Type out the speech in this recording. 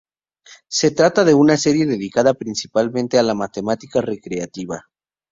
Se trata de una serie dedicada principalmente a la matemática recreativa.